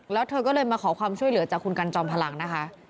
แล้วเธอก็เลยมาขอความช่วยเหลือจากคุณกันจอมพลังนะคะ